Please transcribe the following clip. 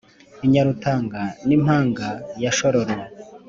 i nyarutanga n’impinga ya shororo,